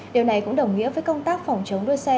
điều này cũng đồng nghĩa với công tác phòng chống đua xe